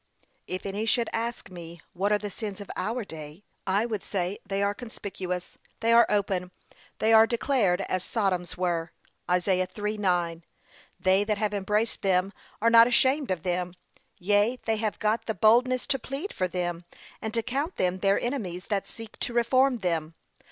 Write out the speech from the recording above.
If any should ask me what are the sins of our day, I would say they are conspicuous, they are open, they are declared as Sodom's were. (Isa. 3:9) They that have embraced them, are not ashamed of them; yea, they have got the boldness to plead for them, and to count them their enemies that seek to reform them.